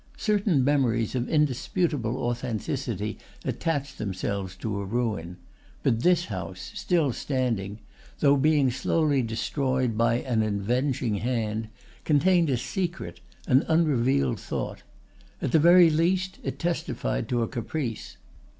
Certain memories of indisputable authenticity attach themselves to a ruin; but this house, still standing, though being slowly destroyed by an avenging hand, contained a secret, an unrevealed thought. At the very least, it testified to a caprice.